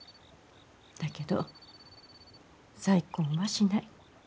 だけど再婚はしない。